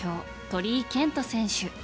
鳥居健人選手。